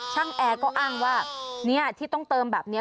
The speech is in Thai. แอร์ก็อ้างว่าที่ต้องเติมแบบนี้